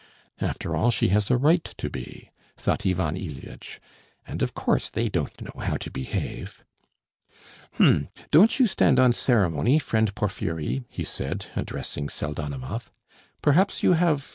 "After all she has a right to be,' thought Ivan Ilyitch, 'and of course they don't know how to behave.' "Hm! Don't you stand on ceremony, friend Porfiry," he said, addressing Pseldonimov. "Perhaps you have ...